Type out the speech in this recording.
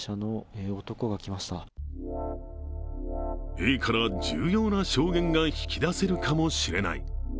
Ａから重要な証言が引き出せるかもしれない。